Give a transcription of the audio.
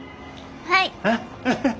はい。